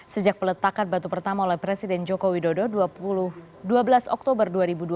sejak peletakan batu pertama oleh presiden joko widodo dua belas oktober dua ribu dua puluh